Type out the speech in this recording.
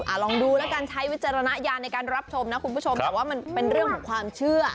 ลองดูแล้วกันใช้วิจารณญาณในการรับชมนะคุณผู้ชมแต่ว่ามันเป็นเรื่องของความเชื่อ